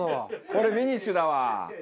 これフィニッシュだわ。